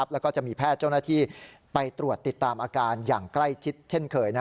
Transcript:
แล้วก็จะมีแพทย์เจ้าหน้าที่ไปตรวจติดตามอาการอย่างใกล้ชิดเช่นเคย